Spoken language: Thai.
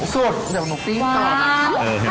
สดเดี๋ยวหนูปิ้งต่อนะคะ